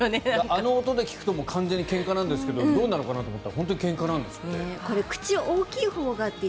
あの音で聞くと完全にけんかなんですけどどうなのかな？と思ったら本当にけんかなんですって。